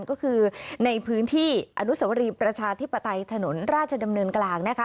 ก็คือในพื้นที่อนุสวรีประชาธิปไตยถนนราชดำเนินกลางนะคะ